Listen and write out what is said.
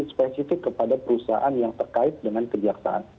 spesifik kepada perusahaan yang terkait dengan kejaksaan